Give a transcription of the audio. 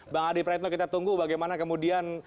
bang adi praetno kita tunggu bagaimana kemudian